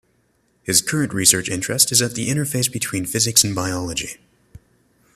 His current research interest is at the interface between physics and biology.